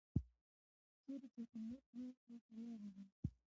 چېرې چې همت وي، هلته لاره وي.